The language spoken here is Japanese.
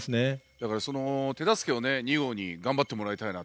だからその手助けをね２号に頑張ってもらいたいなと。